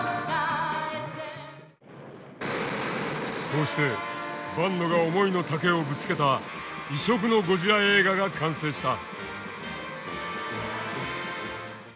こうして坂野が思いの丈をぶつけた異色のゴジラ映画が完成した。